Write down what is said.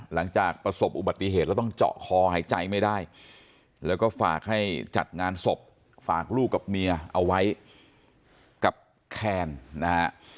หลังจากประสบอุบัติเหตุแล้วต้องเจาะคอหายใจไม่ได้แล้วก็ฝากให้จัดงานศพฝากลูกกับเมียเอาไว้กับแคนนะฮะ